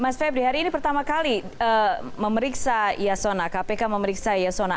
mas febri hari ini pertama kali kpk memeriksa yasona